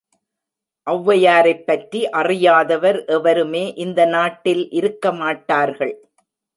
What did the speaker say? ஒளவையாரைப்பற்றி அறியாதவர் எவருமே இந்த நாட்டில் இருக்கமாட்டார்கள்.